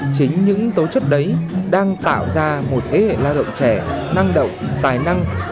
chính những tố chất đấy đang tạo ra một thế hệ lao động trẻ năng động tài năng